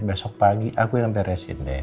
besok pagi aku yang beresin deh